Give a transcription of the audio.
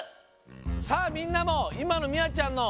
さあみんなもいまのみあちゃんの。